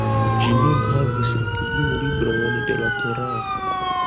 Ĝi nur havis la kvin librojn de la Torao.